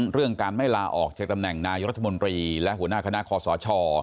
เรื่องการไม่ลาออกจากตำแหน่งนายรัฐมนตรีและหัวหน้าคณะคอสช